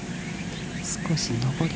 少し上り。